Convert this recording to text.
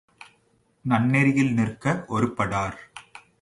நன்னெறியில் நிற்க ஒருப்படார்.